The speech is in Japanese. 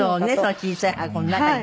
その小さい箱の中に。